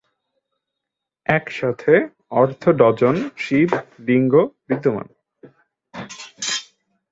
একসাথে অর্ধ ডজন শিব লিঙ্গ বিদ্যমান।